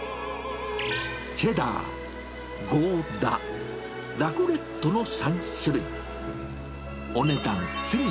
チェダー、ゴーダ、ラクレットの３種類。